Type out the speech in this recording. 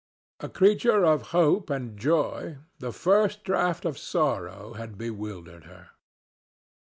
A creature of hope and joy, the first draught of sorrow had bewildered her.